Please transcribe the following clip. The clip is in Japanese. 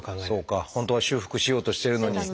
本当は修復しようとしてるのに。